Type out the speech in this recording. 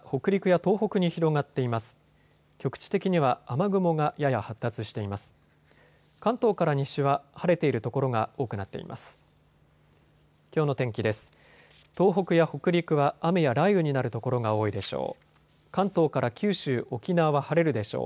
東北や北陸は雨や雷雨になる所が多いでしょう。